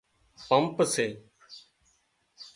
پمپ سي